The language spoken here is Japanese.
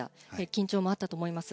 緊張もあったと思います。